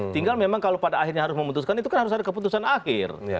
tinggal memang kalau pada akhirnya harus memutuskan itu kan harus ada keputusan akhir